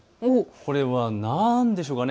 これは何でしょうか。